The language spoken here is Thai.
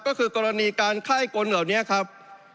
ก็คือกรณีการไข้กลเหล่านี้ครับ